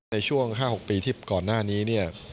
ในช่วง๕๖ปีที่ก่อนหน้านี้เนี่ย